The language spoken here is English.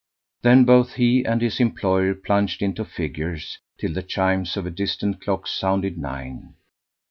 Then both he and his employer plunged into figures, till the chimes of a distant clock sounded nine.